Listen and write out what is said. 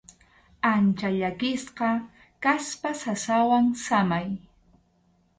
Ancha llakisqa kaspa sasawan samay.